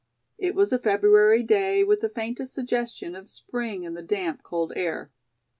It was a February day with the faintest suggestion of spring in the damp, cold air.